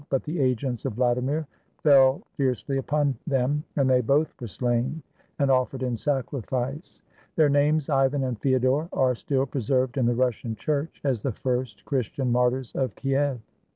But the agents of Vladimir fell fiercely upon them, and they both were slain and offered in sacrifice. Their names, Ivan and Feodor, are still preserved in the Russian Church as the first Christian martyrs of Kiev.